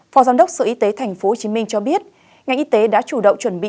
phó giám đốc sở y tế tp hcm cho biết ngành y tế đã chủ động chuẩn bị